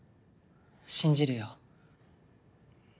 信じるよ。